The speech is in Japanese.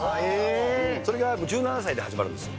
それが１７歳で始まるんですよ。